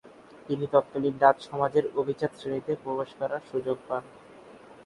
তিনি তৎকালীন ডাচ সমাজের অভিজাত শ্রেণিতে প্রবেশ করার সুযোগ পান।